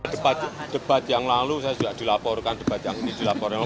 debat yang lalu saya sudah dilaporkan debat yang ini dilaporkan